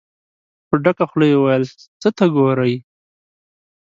په ډکه خوله يې وويل: څه ته ګورئ؟